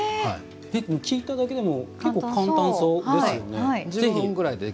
聞いただけでも結構簡単そうですよね。